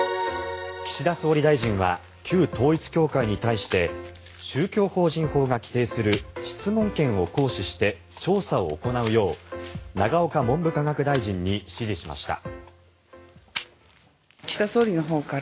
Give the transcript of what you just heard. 岸田総理大臣は旧統一教会に対して宗教法人法が規定する質問権を行使した調査を行うよう永岡文部科学大臣に指示しました。